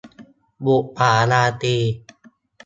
บุปผาราตรี